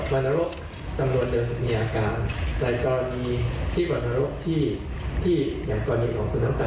วันโรคจำนวนเดือนมีอาการแต่กรณีที่วันโรคที่อย่างกรณีของคุณน้ำตา